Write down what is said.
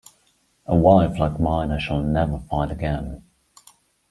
A wife like mine I shall never find again.